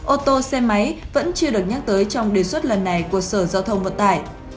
ô tô xe máy vẫn chưa được nhắc tới trong đề xuất lần này của sở giao thông vận tải